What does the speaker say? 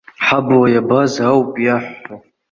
Ҳабла иабаз ауп иаҳҳәо!